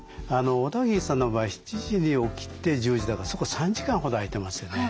小田切さんの場合７時に起きて１０時だからそこ３時間ほど空いてますよね。